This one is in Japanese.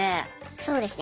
そうですね。